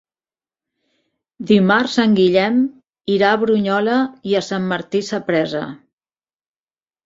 Dimarts en Guillem irà a Brunyola i Sant Martí Sapresa.